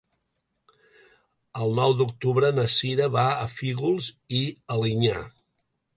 El nou d'octubre na Cira va a Fígols i Alinyà.